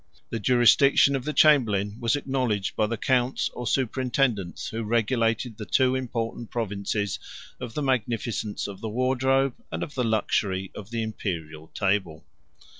The jurisdiction of the chamberlain was acknowledged by the counts, or superintendents, who regulated the two important provinces of the magnificence of the wardrobe, and of the luxury of the Imperial table.